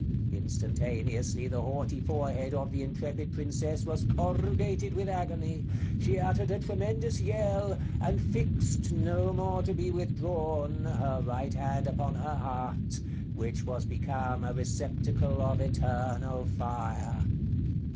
Instantaneously the haughty forehead of the intrepid princess was corrugated with agony; she uttered a tremendous yell, and fixed, no more to be withdrawn, her right hand upon her heart, which was become a receptacle of eternal fire.